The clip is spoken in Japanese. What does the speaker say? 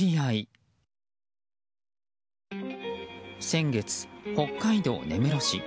先月、北海道根室市。